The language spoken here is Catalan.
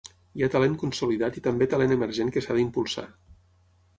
Hi ha talent consolidat i també talent emergent que s'ha d'impulsar.